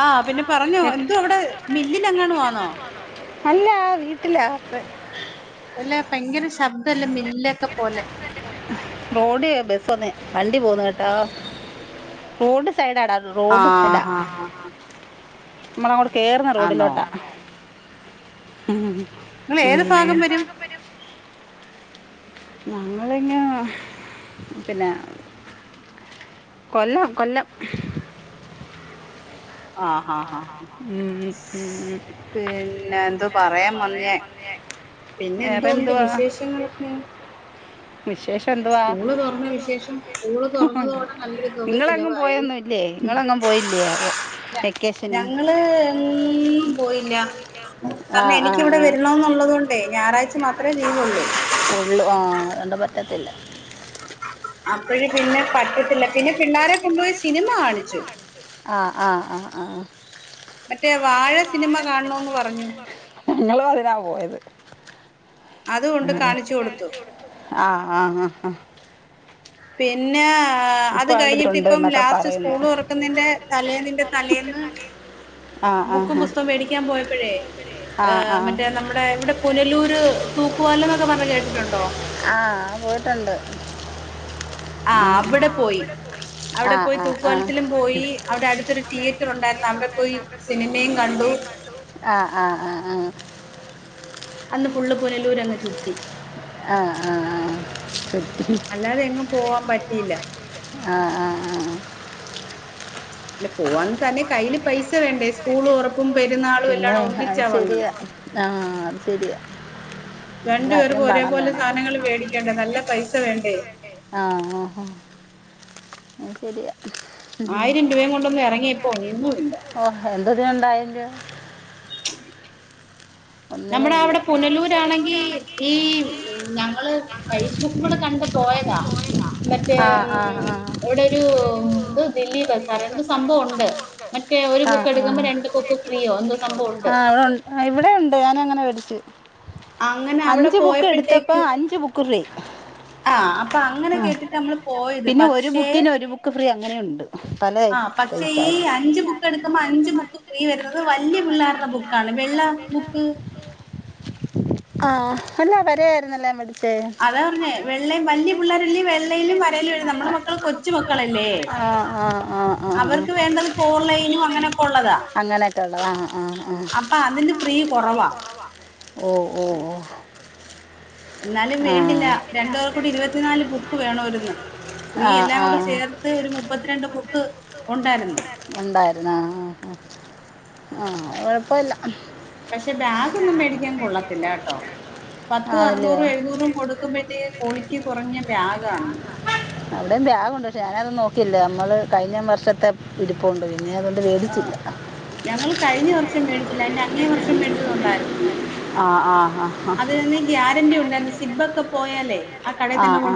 ആ പിന്നെ പറഞ്ഞോ എന്തുവാ അവിടെ മില്ലിലെങ്ങാണുവാന്നോ? അല്ലാ വീ ബ് അല്ല ഭയങ്കര ശബ്ദം ഇല്ല മില്ലിലക്കെ പോലെ റോഡില് ബസ് വന്നേ വണ്ടി പോകുന്ന് കേട്ടാ റോഡ് സൈഡാഡ അത് റോഡ് ആഹ് സൈഡാ ഹാ ആ ഹ ഹാ മ്മളങ്ങൊട് കേർന്ന ആന്നോ റോഡിലോട്ടാ മം നിങ്ങൾ ഏത് ഫാഗം വരും ഞങ്ങൾങ്ങ് പിന്ന കൊല്ലം കൊല്ലം ആ ആ ആ ഉം. ഉം. പിന്നെ എന്തോ പറയാൻ മന്നെ പിന്നെ വേറെ എന്തൊണ്ട് എന്തുവാ വിശേഷങ്ങളൊക്കെ വിശേഷം എന്തുവാ സ്കൂള് തുറന്ന വിശേഷം സ്കൂള് തുറന്നതോടെ നല്ലൊരു തുക നിങ്ങളങ്ങും ചിലവായി പോയൊന്നുംല്ലേ നിങ്ങളങ്ങും പോയില്ലേ അ ഞങ്ങള് എങ്ങും പോ പോയില്ല ആ രണം ആ എനിക്കിവിടെ ആ വരണന്നുള്ളതു കൊണ്ടേ ഞായറാഴ്ച മാ ഉള്ളു ആ രണ്ട പറ്റെ ഇല്ല അപ്പഴ പിന്നെ പറ്റത്തില്ല പിന്നെ പിള്ളോരെ കൊണ്ടുപോയി സിനിമ കാണിച്ചു ആ ആ ആ ആ മറ്റേ വാഴ സിനിമ കാണണോന്ന് പറഞ്ഞു ങ്ങളും അതിനാ പോയത് അതുകൊണ്ട് കാണിച്ചു കൊടുത്തു ആ ആ ആ ആ പിന്നെ ആ അത് ഇപ്പൊ കഴിഞ്ഞിട്ട് കണ്ടിട്ടുണ്ട് ഇപ്പം എന്നൊക്കെ ലാസ്റ്റ് പറയുന്നു സ്കൂൾ ഉറക്കുന്നതിന്റെ തലേ നിന്റെ തലേന്ന് ആ ആ ബുക്കും പുസ്തകം മേടിക്കാൻ പോയപ്പോഴേ ആ ആ മറ്റേ നമ്മുടെ ഇവിടെ പുനലൂര് തൂക്കുവാല എന്നൊക്കെ പറഞ്ഞ് കേട്ടിട്ടുണ്ടോ ആ ആ പോയിട്ടുണ്ട് ആ ഉം. അവിടെ പോ പോയി അവിടെ ആ പോയി ആ ആ ആ തൂക്കുപാലത്തിലും പോയി അവിടെ അടുത്തൊരു തിയേറ്റർ ഉണ്ടായിരുന്നു അവിടെ പോയി സിനിമയും കണ്ടു ആ ആ ആ അന്ന് ഫുള്ള് പുനലൂര് അങ്ങ് ചുറ്റി ആ ആ [unintelligible] അല്ലാതെ എങ്ങും പോവാൻ പ പറ്റിയില്ല ആ ആ ആ ല്ല പോവാന്ന് തന്നെ കയ്ൽ പൈസ വേണ്ടേ സ്കൂൾ തുറ പിന്നെ അത് ശരിയാ ആ അത് ശെരിയാ രണ്ടു എല്ലാത്തിനും പേർക്കും പണം ഒരേപോലെ വേണം സാധനങ്ങൾ മേടിക്കണ്ടേ നല്ല പൈസ വേണ്ടേ ആ ആ ആ ശരിയാ ഉം. ആയിരം രൂപയും കൊണ്ടൊന്നും ഇറങ്ങിയപ്പോ ഒന്നു ല്ല ഓ എന്തതിനുണ്ടായാലും ഒന്നിനും നമ്മടെ അവടെ പുനലൂരാണെങ്കി ഈ ഇല്ല ഞങ്ങള് ഫേസ്ബുക്ക്കൂടെ കണ്ട് പോയതാ മറ്റേ മ്മ് ഇവിടൊരു ത് ദില്ലി ബസ് വേറെന്തോ സംഭവൊണ്ട് മറ്റേ ഒരു ബുക്ക് ആഹ് എടുക്കുമ്പോ ആഹ് രണ്ട് ബുക്ക് ഫ്രീയോ എന്തൊ സംഭവുണ്ട് അങ്ങനെ വേടിചേ അവിടെ അഞ്ച് ബുക്ക് എട്ത്തപോ പോയപ്പോഴത്തേക്ക് അഞ്ച് ബുക്ക് ഫ്രീ അപ്പ അങ്ങനെ ആ കേട്ടിട്ടമ്മള് പോ പോയത് പിന്നെ ഒരു പക്ഷെ ബുക്കിന് ഒരു ബുക്ക് ഫ്രീ അങ്ങനെയുണ്ട് പല ആ പക്ഷേ സൈസ് ഈ ആയിരുന്നു അഞ്ച് ബുക്ക് എടുക്കുമ്പോ അഞ്ച് ബുക്ക് ഫ്രീ വരുന്നത് വലിയ പിള്ളേരുടെ ബുക്കാണ് വെള്ള ബുക്ക് ആ അല്ല വരായിരുന്നല്ലോ [unintelligible] അതാ പറഞ്ഞേ വെള്ള വല്ല്യ പിള്ളേരെല്ല വെള്ളയിലും വരയിലും എഴുതാ നമ്മടെ മക്കൾ കൊച്ചു മക്കളല്ലേ ആഹ് ആഹ് ആഹ് ആഹ് ആഹ് അവർക്ക് വേണ്ടത് ഫോർലൈനും അങ്ങനൊക്കൊള്ളതാ അങ്ങനെയൊക്കെ ഉള്ളത് ആഹ് ആഹ് ആഹ് അപ്പൊ അതിന്റെ ഫ്രീ കുറവാ ഓ [inaudible] എന്നാലും ആ വേണ്ടില്ല രണ്ടാപേർകൂടി ഇരുപത്തിനാല് ബുക്ക് വേണാവാരുന്ന് ഫ്രീ ആ എല്ലാം ആ കൂടെ ചേർത്ത് ഒരു മുപ്പത്ത്രണ്ട് ബുക്ക് ഒണ്ടായിര്ന്ന് ഒണ്ടായിര്ന്ന് ആ ആ ആ ആ കൊഴപ്പൊയില്ല പക്ഷെ ബാഗൊന്നും മേടിക്കാൻ കൊള്ളത്തില്ല കേട്ടോ പത്തും ആണല്ലേ അറുന്നൂറും എഴുുന്നൂറും കൊടുക്കുമ്പഴ്ത്തേക്ക് ക്വാളിറ്റി കുറഞ്ഞ ബ്യാഗ് അവിടെയും ബ്യാഗുണ്ട് പക്ഷെ ഞാനതൊന്നും നോക് ട്ടില്ല നമ്മൾ കഴിഞ്ഞ വർഷത്തെ ഇരിപൊണ്ട് ആ ഞങ്ങൾ കഴിഞ്ഞ വർഷം മേടിച്ചില്ല അയിന്റെ അങ്ങേ വർഷം മേടിച്ചതൊണ്ടായിരുന്നു ആ ആ ആ അതിന്ന് ഗ്യാരന്റി ഒണ്ടായിരുന്നു സിബ്ബൊക്കെ പോയാലെ ആ ആ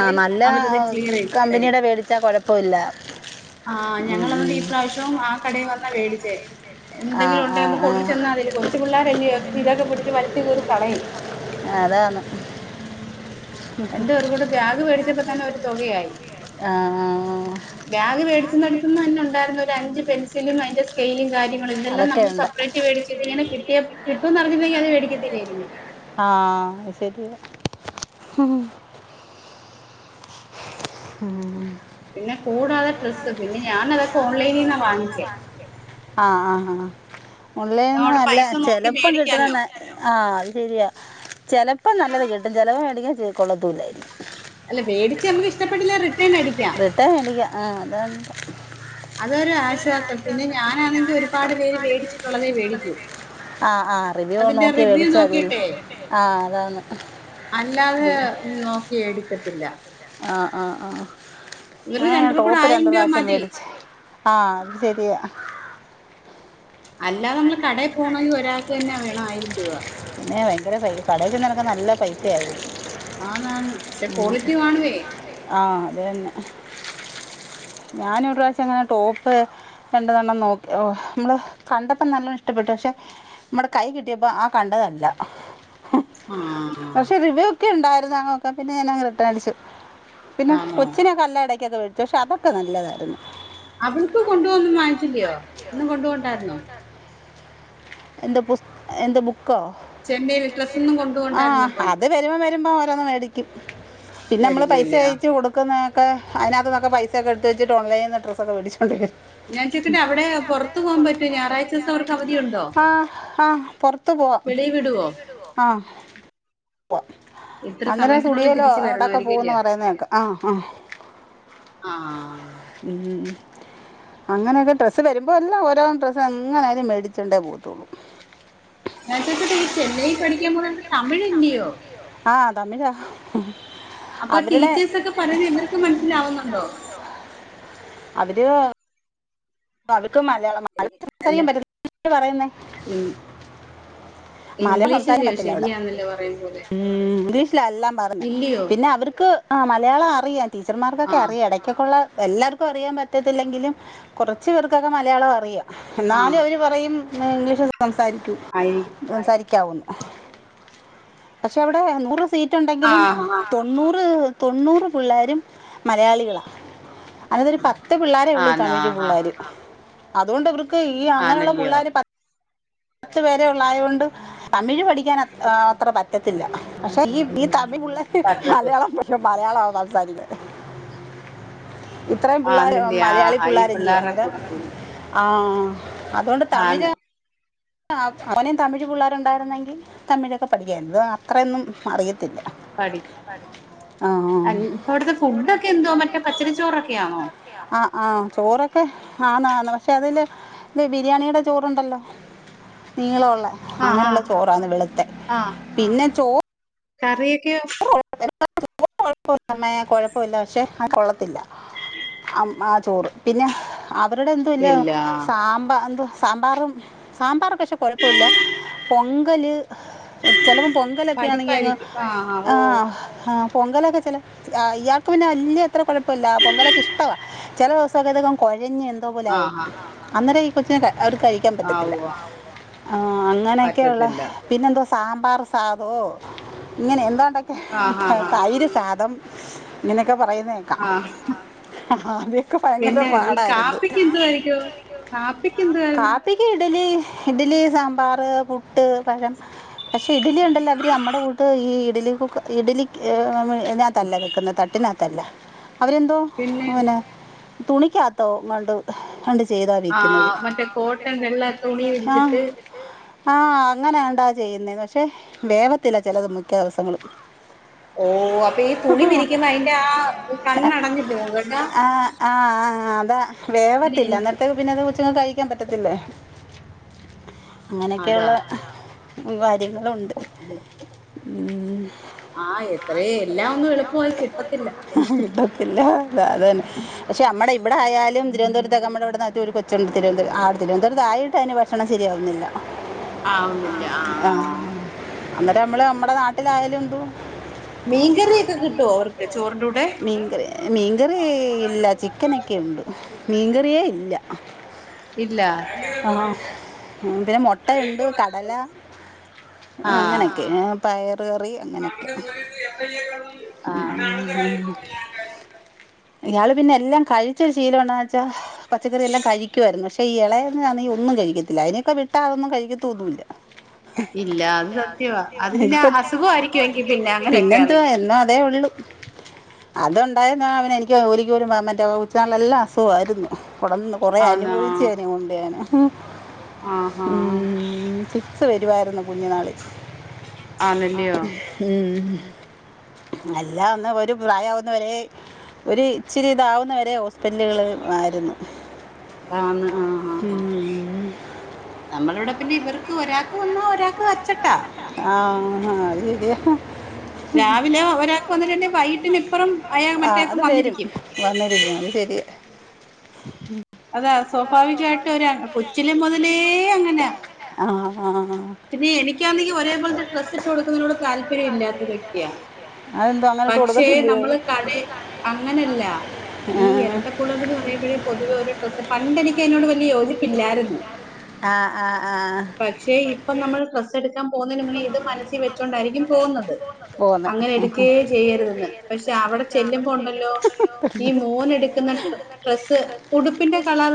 ആ നല്ല ക്ലിയർ ചെയ്ത് തരും കമ്പനിയുടെ വേടിച്ചാ കൊഴപ്പവില്ല ആ മ്മ് ഞങ്ങൾ അതുകൊണ്ട് മ്മ് [unintelligible] ആ കടയിൽ വന്ന വേടിച്ചേെ ആ എന്തെങ്കിലും ഉണ്ടെ ആ നമുക്ക് ആ കൊണ്ട് ചെന്നാ മതിയല്ലൊ കൊച്ചു പിള്ളാരല്ലിയോ ഇതൊക്കെ പിടിച്ച് വലിച്ചു കീറി കളയും അതാന്ന് രണ്ട് പേർകൂടെ ബ്യാഗ് വേടിച്ചപ്പ തന്നെ ഒരു തൊകയായി ആ ആ ബ്യാഗ് വേടിച്ചുന്നടുത് അന്ന് തന്നെ ഒണ്ടായിരുന്നു ഒരഞ്ച് പെൻസിലും അയിന്റെ സ്കെയിലും കാര്യങ്ങളും ഇതെല്ലാം അതൊക്കെ നമ്മൾ ഉണ്ട് സെപ്പറേറ്റ് വേടിച്ച് ഇതിങ്ങനെ കിട്ടിയ കിട്ടുന്നറിഞ്ഞിരുന്നെങ്കി അത് വേടിക്കത്തില്ലായിരുന്നു ആ മ്മ് മ്മ് പിന്നെ കൂടാതെ ഡ്രസ്സ് പിന്നെ ഞാന തൊക്കെ ഓൺലൈനീന്നാ വാങ്ങിച്ചെ അ അ അ ഓൻലൈൻന്ന് അതവിടെ നല്ല പൈസ നോക്കി ചെലപ്പം കിട്ടുന്ന മേടിക്കാമല്ലോ ന ആ അഹ് ശരിയാ ചെലപ്പം നല്ലത് കിട്ടും ചെലപ്പോ മേടിക്ക കൊള്ളത്തില്ലായിരിക്കും അല്ല മേടിച്ച് നമുക്ക് ഇഷ്ടപ്പെട്ടില്ല റിട്ടേൺ അടിക്കാം റിട്ടേൺ അടിക്കാം ആ അതാണ് അതൊരു ആശ്വാ പിന്നെ ഞാനാണെങ്കിൽ ഒരുപാട് പേര് മേടിച്ചിട്ടുള്ളതേ മേടിക്കും, ആ ആ റിവ്യൂ അതിന്റെ നോക്കി റിവ്യൂ മേടിച്ചാൽ മതി നോക്കിട്ടെ ആ അതാണ് അല്ലാതെ ഇത്. നോക്കി എടുക്ക ത്തില്ല ആ ആ ആ ഇവര് ആഹ് രണ്ടു കൂടെ ടോപ്പ് ആയിരം രണ്ടു രൂപ പ്രാവശ്യം മതി മേടിച്ചു, ആ അത് ശരിയാ. അല്ലാതെ [unintelligible] നമ്മൾ കടയിൽ പോകണമെങ്കിൽ ഒരാൾക്ക് തന്നെ വേണം ആയിരം രൂപ പിന്നെ ഭയങ്കര കയ്യി കടയിൽ ചെന്ന ഓക്കെ നല്ല പൈസയായിരിക്കും. ആന്നു ആന്നു പക്ഷെ ക്വാളിറ്റി കാണുവെ. ആ അത് തന്നെ ഞാൻ ഒരു പ്രാവശ്യം എങ്ങനെ ടോപ്പ് രണ്ടു മൂന്നെണ്ണം നോക് ഒ നമ്മള് കണ്ടപ്പോ നല്ലോണം ഇഷ്ടപ്പെട്ടു, പക്ഷെ നമ്മുടെ കൈ കിട്ടിയപ്പോ ആ കണ്ടതല്ല. ആ ഒക്ക ഉണ്ടായിരുന്നു നോക്കാ പിന്നെ ഞാനങ്ങു റിട്ടൺ അടിച്ചു. പിന്നെ ആണോ കൊച്ചിനെ കല്ലട ക്കതവെച്ചു ക്ഷെ അത് ഒക്കെ നല്ലതായിരുന്നു. അവൾക്ക് കൊണ്ട് പോകാൻ ന്നു വാങ്ങിച്ചില്ലയോ, ഒന്നുകൊണ്ട് പോണ്ടായിരുന്നോ? എൻ്റെ പുസ് എൻ്റെ ബു ക്കോ ചെന്നൈയിൽ ഡ്രസ് ഒന്നും [unintelligible] ആ കൊണ്ടുപോണ്ടായിരുന്നു ഇപ്പം അത് വരുമ്പോ വരുമ്പോ ഓരോന്നു മേടിക്കും പിന്നെ നമ്മള് പൈസ മേടിക്കുമല്ലയോ അയച്ച് കൊടുക്കുന്ന ക്ക് അതിനകത്ത്നിന്നൊക്കെ പൈസയൊക്കെടുത്ത് വച്ചിട്ട് ഓൺലൈനിൽനിന്ന് ഡ്രസ്സക്കെവേടിച്ചു. ഞാൻ ചോദിക്കട്ടെ അവിടെ പുറത്ത് പോവാൻ പറ്റുമോ ഞായറാഴ്ച ദിവസം അവർക്ക് അവധിയുണ്ടോ? ആ ആ പുറത്ത് പോവാം വെളിയിൽ വിടുവോ ആ പോവാം ഇത്ര അന്നേരം സമയത്തിനുള്ളിൽ സുടിയലോ തിരിച്ച് അവിടെക്കെ വരണമായിരിക്കും പോവുന്ന് അല്ലേ പറയുന്നേക്കാം ആ ആ ആഹ് ഉം ഉം ഉം അങ്ങനെയൊക്കെ ഡ്രസ്സ് വരുമ്പോ എല്ലാം ഓരോ ഡ്രസ്സ് എങ്ങനായാലും മേടിച്ചോണ്ടെ പോവുള് ട്ടോ ഞാൻ ചോയിച്ചോട്ടെ ഈ ചെന്നൈയിൽ പഠിക്കാൻ പോന്ന തമിഴല്ലിയോ? തമിഴ അപ്പൊ ടീച്ചേഴസൊക്കെ പറയുന്ന ഇവർക്ക് മനസ്സിലാവുന്നുണ്ടോ? പ്പ അവര് പ്പ മലയാളം അത് അല്ല തിരിച്ചറിയാൻ പറ്റത്തില്ല, [unintelligible] പറയുന്നേ ഇ- മലയാളം സംസാരിക്കാൻ ഇംഗ്ലീഷല്ലയോ പറ്റത്തില്ല അവിടെ ശരിയാന്നല്ലോ പറയും പോലെ ഇംഗ്ലീഷിലാ എല്ലാം പറയുന്ന ഇല്ലയോ പിന്നെ അവർക്ക് ആഹ് മലയാളം അറിയാൻ ടീച്ചർമാർക്കൊക്കെ ആഹ് അറിയാം ഇടക്കൊക്ക ഉള്ള എല്ലാർക്കും അറിയാൻ പറ്റത്തില്ലെങ്കിലും കുറച്ച് പേർക്കൊക്കെ മലയാളം അറിയാം. എന്നാലും ആഹ് അവര് പറയും പിന്നെ ഇംഗ്ലീഷ് [unintelligible] സംസാരിക്കു ആയി സംസാരിക്കാവൂന്ന്. പക്ഷെ അവിടേ നൂറ് സീറ്റ് എണ്ടെങ്കിലും ആഹ് ആഹ് തൊണ്ണൂറ് തൊണ്ണൂറ് പിള്ളാരും മലയാളികളാ അങ്ങനൊരു പത്ത് പിള്ളാരേ ഉള്ളൂ ആന്ന് തമിഴ് [unintelligible] ആഹ് ആഹ് പിള്ളാരും അതുകൊണ്ട് വൃ ഈ അങ്ങനെയുള്ള ആന്നല്ലയോ പുള്ളേര് പ ത്തു പേരെ ഉള്ളായുകൊണ്ട് തമിഴ് പഠിക്കാൻ അത്ര പറ്റത്തില്ല പക്ഷേ ഈ ഈ ത മിഴ് പിള്ളേര് പത്രത്തിൽ മലയാളം പ മലയാളാ സംസാരിക്കുന്നേ. ഇത്രയും പിള്ളേർ ആന്നില്ലേ ആഹ് മലയാളി ആഹ് ഈ പിള്ളേരല്ലയോ പിള്ളേരുടെ അന്നേരം കൂടെ കൂടി ആഹ് അതുകൊണ്ട് തമിഴ് ആന്ന് അവനും തമിഴ് പിള്ളേര് ഉണ്ടായിരുന്നെങ്കിൽ തമിഴൊക്കെ പഠിക്കായിരുന്നു ഇത് അത്രയൊന്നും അറിയ പടി ഇപ്പവിടുത്തെ ഫുഡൊക്കെ എന്തോ മറ്റേ പച്ചരിച്ചോറൊക്കെയാണോ? ആന്ന് ആന്ന് അതില് ബിരിയാണിയുടെ ചോറുണ്ടല്ലോ? നീളവൊള്ളത് ആഹ് അങ്ങനെയുള്ള ആഹ് ചോറാണ് വെളുത്തെ ആഹ് പിന്നെ കറിയൊക്കെയോ? [unintelligible] കുഴപ്പമില്ല പക്ഷേ ആ കൊള്ളത്തില്ല. ആ ചോറ് പിന്നെ അവരുടെ എന്തോ ഇല്ല എല്ലാ സാമ്പ എന്തോ സാമ്പാറും സാമ്പാറൊക്കെ ക്ഷെ കൊഴപ്പല്ല പൊങ്കല് ചെലപ്പോ പൊങ്കലൊക്കൊയാണെങ്കി അങ്ങ് പരിപ്പായിരിക്കും ആ ആ ഓ ആഹ് ആഹ് പൊങ്കലൊക്കെ ചില ഇയാൾക്ക് പിന്നെ വലിയ അത്ര കൊഴപ്പല്ല പൊങ്കലൊക്കെ ഇഷ്ടവാ ചില ദിവസമൊക്കെ കോ ഞ്ഞ് എന്തോ പോലെ ആ ആയി ആ അന്നര [unintelligible] അവർ കഴിക്കാൻ ആ പറ്റത്തില്ല ഉവ്വ ആ അങ്ങനെയൊക്കെയുള്ള പറ്റത്തില്ല പിന്നെന്ത സാമ്പാർ സാധോ ഇങ്ങനെ എന്താ എന്തൊക്കെ ആ ആ ആ തൈര് സാദം നിനക്ക് ഒക്കെ പറയുന്നേക്കാം ആ ആ അതെ പിന്നെ ഈ കാപ്പിക്ക് എന്തുവാഴിക്കോ കാപ്പിക്ക് എന്തുവാരുന്ന് ഇഡ്ലി സാമ്പാറ് പുട്ട് പഴം പക്ഷെ ഇഡലി ഉണ്ടല്ലോ അവര് നമ്മുടെ കൂട്ട് ഈ ത്‌ല് ഇഡ്ലിക്ക് എ നമ്മ നാത്തല്ല വെക്കുന്നത് തട്ടിനാ തല്ല അവരെന്തോ പിന്നെ അങ്ങനാ തുണിക്കാത്തോ വള്ളോ ര ആഹ മറ്റേ കോട്ടൺ വെള്ള തുണി ആ വിരിച്ചിട്ട് ആ അങ്ങനാണ്ടാ ചെയ്യുന്നേ പക്ഷെ വേവത്തില്ല ചെലത് മിക്കദിവസങ്ങളും ഓ അപ്പൊ ഈ തുണി വിരിക്കുന്ന അയിന്റെ ആ കണ്ണടഞ്ഞു പോവുംകേട്ടോ ദ വേവത്തില്ല അന്നരത്തേക്ക് പിന്നെത് വെ കഴിക്കാൻ പറ്റത്തില്ലേ അതാ അങ്ങനെയൊക്കെയൊള്ളെ [unintelligible] ളുണ്ട് പി [unintelligible] ആ എത്രേ എല്ലാം ഒന്നും എളുപ്പമായി കിട്ടത്തില്ല കിട്ടത്തില്ല അ അതന്നെ പക്ഷെ നമ്മടെ ഇബ്ടെ ആയാലും തിരുവനന്തപുരത്തെക്കെ നമ്മടിവിടുന്ന് നാട്ടിന്ന് ഒരു കൊച്ചുണ്ട് തിരുവന്തപുര ആ തിരുവനന്തപുരത്ത് ആയിട്ടെന്നെ ഭക്ഷണം ശരിയാവുന്നില്ല ആവുന്നില്ല ആ അന്നേരം നമ്മള് നമ്മുടെ നാട്ടിലായാലും [unintelligible] മീൻകറിയൊക്കെ കിട്ടുവോ അവർക്ക് ചോറിന്റെ മീൻകറി മീൻകറി കൂടെ ഇല്ല ചിക്കനൊക്കെ ഉണ്ട് മീൻകറിയേ ഇല്ല ആ ഇല്ല പിന്നെ മുട്ടയുണ്ട് കടല അങ്ങനെയൊക്കെ പയർ കറി അങ്ങനെയൊക്കെ ആ ഇയാള് പിന്നെ എല്ലാം കഴിച്ച് ശീലമുണ്ടായൊ ച്ച പച്ചക്കറിയെല്ലാം കഴിക്കുവായിര്ന്നു പക്ഷെ ഈ ഇളയതിനാണെങ്കിൽ ഒന്നും കഴിക്കത്തില്ല അയിനെയൊക്കെ വിട്ടാ അതൊന്നും കഴിക്കത്തൊന്നുല്ല ഇല്ല അത് സത്യവാ അത് പിന്നാ എനിക്ക് അസുഖവാടി കെങ്കി പിന്നെ അങ്ങനൊക്കെയാണങ്കി ഏ ഒള്ളു അതുണ്ടായെന്നാ അവനെ എനിക്ക് ഒരിക്കപോലും മറ്റേ കൊച്ച് നാൾലെല്ലാം അസുഖവായിരുന്നു ഇവടന്ന് കുറേ അനുഭവിച്ചേനും കൊണ്ട് ഞാന് ആ ആ ത്ത് വരുവായിരുന്നു ആ നെല്ലിയോ ഉം എല്ലാം അന്ന് ഒരു പ്രായവുന്നവരെ ഒരു ഇച്ചിരി ഇതാവുന്നവരെ ഹോസ്പിറ്റലുകൾ ആയിരുന്നു ആന്ന് ആ ആ ആ ഉം. നമ്മള്‌ ഇവടെ പിന്നെ ഇവർക്ക് ഒരാ ക്ക്‌ വന്നാ ഒരാ ആ [unintelligible] രാവിലെ ഒരാൾക്ക് വന്നിട്ട്ണ്ട് വൈകിട്ടിനിപ്പറം അയാൾ ആ അത് മറ്റേൾക്കും വരും വന്നിരിക്കും ഉം അതെ അവസ് സ്വാഭാവികായിട്ട് ഒരാ കൊച്ചിലെ മുതലേ അങ്ങനാ ആ ആ ആ. ഇനി എനിക്കാന്നെങ്കി ഒരേപോലത്തെ ഡ്രസ്സ് ഇട്ട് കൊടുക്കുന്നതിനോട് താല്പര്യം ഇല്ലാത്ത വ്യക്തിയാ അതെന്തോ അങ്ങോട്ട് പക്ഷേ കൊടുക്കത്തില്ലയോ നമ്മള് കട അങ്ങനല്ല ഈ ആ ഇരട്ടപ്പുളർക്ക്‌ എന്ന് പറയുമ്പോഴേ പൊതുവെ ഒരു പണ്ടെനിക്കയ്നോട് വൽ യോജിപ്പില്ലായിരുന്നു. ആഹ് ആഹ് ആഹ് പക്ഷെ ഇപ്പം നമ്മൾ ഡ്രസ്സ്‌ എടുക്കം പോന്നതിനുമ്പ് ഇത് മനസ്സിൽ വെച്ചോണ്ടായിരിക്കും പോകുന്നത് പോന്ന് അങ്ങനെ എടുക്കേ ചെയ്യരുതന്ന് പക്ഷെ അവിടെ ചെല്ലുമ്പോ ഉണ്ടല്ലോ ഈ മോന് എടുക്കുന്ന ഡ്രസ്സ് ഉടു ന്റെകളർ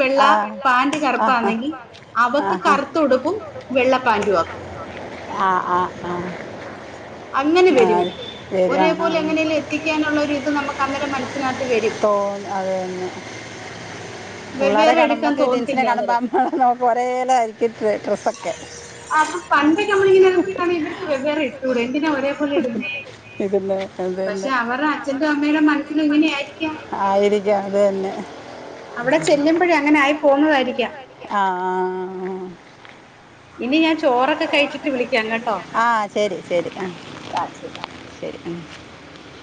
വെള്ള ആഹ് പാന്റ് ആഹാ ആഹാ കറുപ്പാണെങ്കിൽ അവക്ക് ആഹ് കറുത്തഉടുപ്പും വെള്ള പാന്റും ആ ആഹ് ആഹ് ആഹ് ആഹ അങ്ങനെ വരും ഒരേപോലെ ആഹ് എങ്ങനെ ലെ എത്തിക്കാനുള്ള ഒരു ഇത് നമുക്ക് അന്നേരം മനസ്സിനത്ത് വരും തോന്നും പുള്ളേരേ വെവ്വേറെ കാണുമ്പോ എടുക്കാൻ നമ്മക്ക് ട്വിൻസിനെ തോന്നത്തില്ല അന്നേരം. കാണുമ്പോ നമ്മ ഒരേലയിരിക്കു ഡ്ര ഡ്രെസൊക്കെ പണ്ട് നമ്മൾ ഈ [unintelligible] ഇവർക്ക് വെവ്വേറെ ഇട്ടൂടൂ എന്തിനാ ഒരേപോലെ ഇടുന്നേ അതു പക്ഷെ തന്നെ അവരുടെ അച്ഛന്റെ അമ്മയുടെ മനസ്സിലും ഇങ്ങനെ ആയിരിക്കാം ആയിരിക്കാം അത് തന്നെ അവിടെ ചെല്ലുമ്പോഴേ അങ്ങനെ ആയി പോകുന്നതായിരിക്കാം ആ ആ ആ ഇനി ഞാൻ ചോറൊക്കെ കഴിച്ചിട്ട് വിളി ആ ശരി ശരി ആ ആ ശരി ശരി ഉ